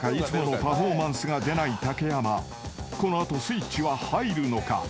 ［この後スイッチは入るのか？］